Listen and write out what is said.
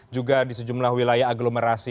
juga di sejumlah wilayah aglomerasi